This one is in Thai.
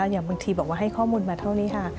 อย่างบางทีบอกว่าให้ข้อมูลมาเท่านี้ค่ะ